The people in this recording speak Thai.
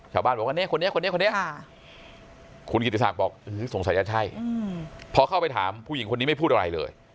ชาวบ้านบอกว่าเนี่ยคนนี้คนนี้คนนี้คุณกิติศักดิ์บอกสงสัยจะใช่พอเข้าไปถามผู้หญิงคนนี้ไม่พูดอะไรเลย